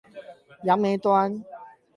楊梅端